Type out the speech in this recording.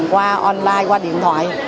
qua online qua điện thoại